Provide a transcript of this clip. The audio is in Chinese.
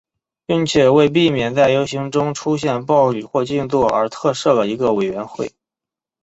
并且为避免在游行中出现暴力或静坐而特设了一个委员会。